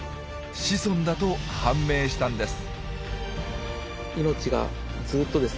子孫だと判明したんです。